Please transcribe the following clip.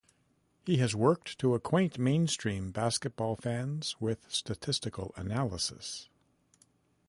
He has worked to acquaint mainstream basketball fans with statistical analysis.